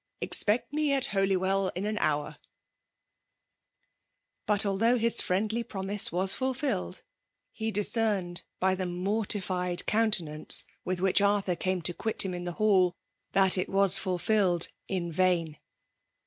'* Expeet me at Holywell in an hour/' But, although his friendly promise was fut filled, he discerned hy the mortified counte nance with which Arthur came to quit . him in th« hall, that it was fulfilled in vain.